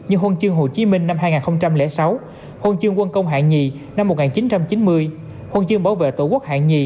hàng ba năm hai nghìn một mươi sáu và hai nghìn một mươi một